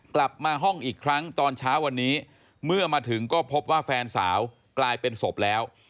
กลับมาห้องอีกครั้งตอนเช้าวันนี้เมื่อมาถึงก็พบว่าแฟนสาวกลายเป็นศพแล้ว